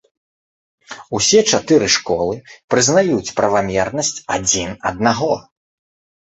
Усе чатыры школы прызнаюць правамернасць адзін аднаго.